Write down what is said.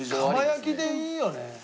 蒲焼きでいいよね。